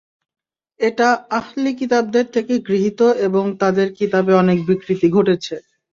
এটা আহলি কিতাবদের থেকে গৃহীত এবং তাদের কিতাবে অনেক বিকৃতি ঘটেছে।